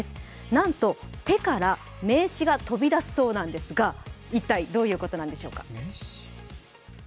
なんと手から名刺が飛び出すそうなんですが一体どういうことなんでしょうか。